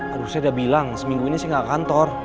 aduh saya udah bilang seminggu ini sih gak kantor